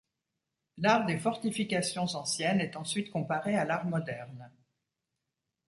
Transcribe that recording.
L'art des fortifications anciennes est ensuite comparé à l'art moderne.